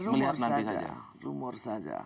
melihat nanti saja rumor saja